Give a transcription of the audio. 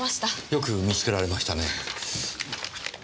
よく見つけられましたね。